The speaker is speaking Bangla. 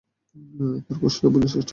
তার কষ্টটা বুঝার চেষ্টা কর।